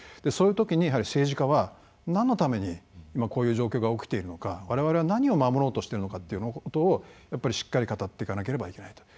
そういうときに政治家は何のために今こういう状況が起きているのか我々は何を守ろうとしているのかっていうことをしっかり語っていかなければいけない。